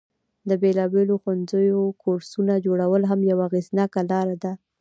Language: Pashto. د بیلابیلو ښوونیزو کورسونو جوړول هم یوه اغیزناکه لاره ده.